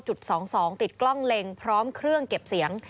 ติดกล้องเล็งพร้อมเครื่องเก็บเสียง